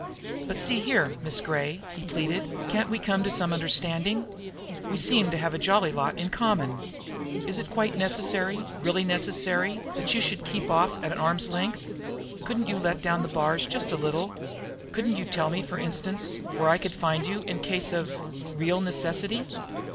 "But, see here, Miss Gray!" he pleaded. "Can't we come to some understanding? We seem to have a jolly lot in common. Is it quite necessary, really necessary, that you should keep me off at arm's length? Couldn't you let down the bars just a little? Couldn't you tell me, for instance, where I could find you in case of real necessity?"